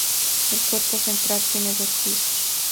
El cuerpo central tiene dos pisos.